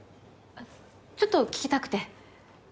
あちょっと聞きたくて。